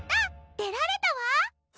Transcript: でられたわ！